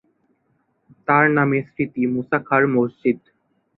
তার নামের স্মৃতি মুসা খাঁর মসজিদ।